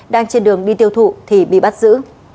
đang trên đường đi tiêu thụ thì bị bắt giữ